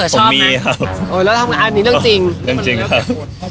ใช่ไหมมีเผลอชอบไหมโอ้แล้วทำอะไรอ่ะมีเรื่องจริงครับ